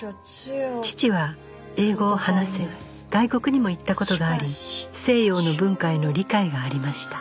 父は英語を話せ外国にも行った事があり西洋の文化への理解がありました